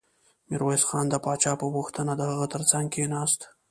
ميرويس خان د پاچا په غوښتنه د هغه تر څنګ کېناست.